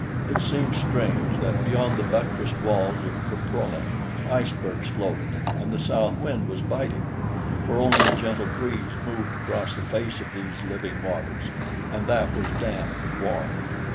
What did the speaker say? It seemed strange that beyond the buttressed walls of Caprona icebergs floated and the south wind was biting, for only a gentle breeze moved across the face of these living waters, and that was damp and warm.